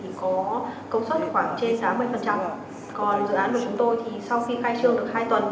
thì có cấu suất khoảng trên tám mươi còn dự án của chúng tôi thì sau khi khai trương được khai trương